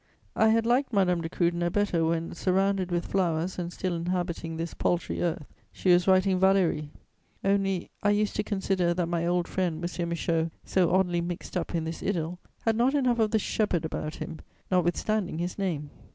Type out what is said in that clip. I had liked Madame de Krüdener better when, surrounded with flowers and still inhabiting this paltry earth, she was writing Valérie. Only, I used to consider that my old friend M. Michaud, so oddly mixed up in this idyll, had not enough of the shepherd about him, notwithstanding his name.